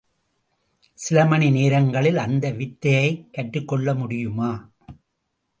சிலமணி நேரங்களில் அந்த வித்தையைக் கற்றுக்கொள்ள முடியுமா?